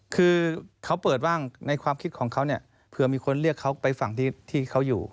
คือเขาเปิดว่างในความคิดของเขาเนี่ยเผื่อมีคนเรียกเขาไปฝั่งที่เขาอยู่